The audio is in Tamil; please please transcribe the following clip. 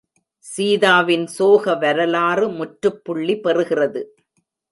சீதாவின் சோக வரலாறு முற்றுப்புள்ளி பெறுகிறது.